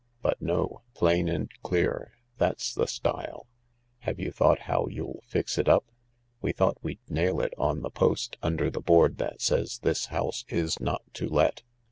"But no. Plain and clear. That's the style. Have you thought how you'll fix it up ?" "We thought we'd nail it on the post under the board that says 'This House is Not to Let.'